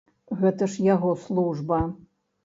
Гэта ж яго служба!